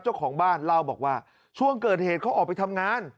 เจ้าของบ้านเล่าบอกว่าช่วงเกิดเหตุเขาออกไปทำงาน